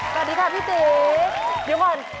สวัสดีค่ะพี่ติ๋วเดี๋ยวก่อน